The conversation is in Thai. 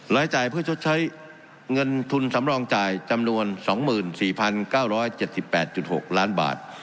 รายจ่ายเพื่อชดใช้เงินทุนสำรองจ่ายจำนวน๒๔๙๗๘๖ล้านบาท